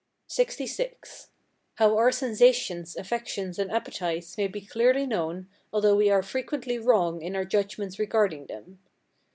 LXVI. How our sensations, affections, and appetites may be clearly known, although we are frequently wrong in our judgments regarding them.